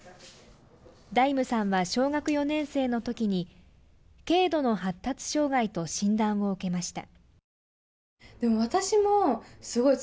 大夢さんは小学４年生のときに軽度の発達障害と診断を受けました。